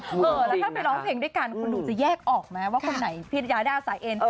แล้วถ้าไปร้องเพลงด้วยกันคุณดูจะแยกออกไหมว่าคนไหนผิดยาด้าสายเอ็น